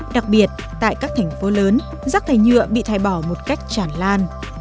đặc biệt tại các thành phố lớn rắc thải nhựa bị thải bỏ một cách chản lan